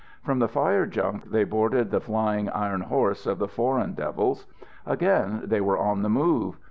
From the fire junk they boarded the flying iron horse of the Foreign Devils; again they were on the move.